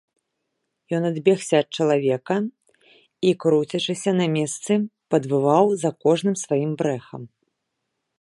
Ён адбегся ад чалавека і, круцячыся на месцы, падвываў за кожным сваім брэхам.